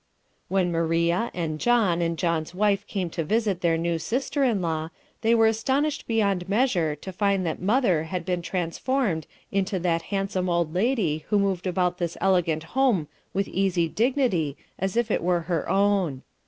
When Maria, and John, and John's wife came to visit their new sister in law, they were astonished beyond measure to find that mother had been transformed into that handsome old lady who moved about this elegant home with easy dignity, as if it were her own.